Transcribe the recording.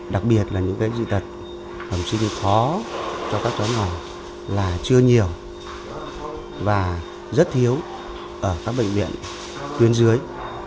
đặc biệt là những dị tật bẩm sinh khó cho các chó nhỏ là chưa nhiều và rất thiếu ở các bệnh viện tuyên dưới